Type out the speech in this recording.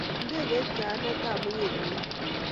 Indegei kayanet ab muguleldo